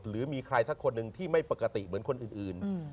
หรือมีใครสักคนหนึ่งที่ไม่ปกติเหมือนคนอื่น